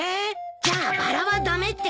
じゃあバラは駄目ってこと？